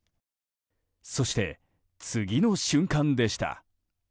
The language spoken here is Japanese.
そして、次の瞬間でした。